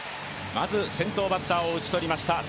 まず、先頭バッターを打ち取りました